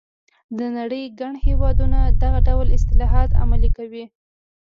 د نړۍ ګڼ هېوادونه دغه ډول اصلاحات عملي کوي.